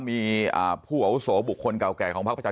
ที่ไม่มีนิวบายในการแก้ไขมาตรา๑๑๒